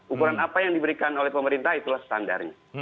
ukuran apa yang diberikan oleh pemerintah itulah standarnya